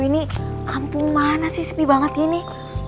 ini kampung mana sih sepi banget gini